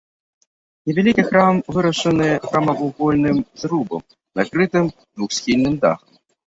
Невялікі храм вырашаны прамавугольным зрубам, накрытым двухсхільным дахам.